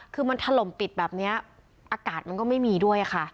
คือมันถล่มปิดแบบนี้อากาศมันก็ไม่มีด้วยค่ะ